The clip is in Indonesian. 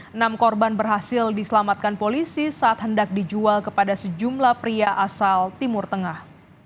enam korban berhasil diselamatkan polisi saat hendak dijual kepada sejumlah pria asal timur tengah